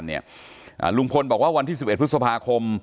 เรื่องการเนี่ยลุงพลบอกว่าวันที่๑๑พฤษภาคม